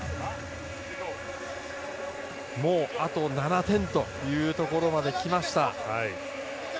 もう、あと７点というところまで来ました。